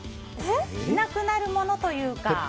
しなくなるものというか。